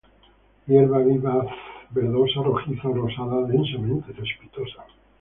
Hierba vivaz, verdosa, rojiza o rosada, densamente cespitosa.